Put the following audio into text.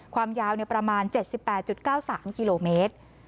ความยาวประมาณ๗๘๙๓กิโลเมตร